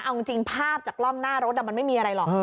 เอาจริงภาพจากกล้องหน้ารถมันไม่มีอะไรหรอก